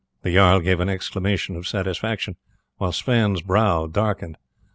The jarl gave an exclamation of satisfaction, while Sweyn's brow darkened.